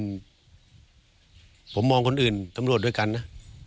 เพราะผมเห็นคนอื่นผมมองคนอื่นตำรวจด้วยกันนะ